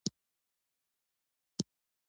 مورغاب سیند د افغان کلتور په داستانونو کې راځي.